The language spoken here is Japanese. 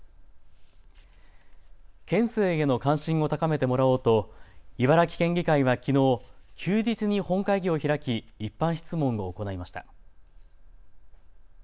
県政への関心を高めてもらおうと茨城県議会はきのう休日に本会議を開き、一般質問を行いました。